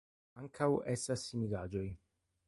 Ankaŭ estas similaĵoj.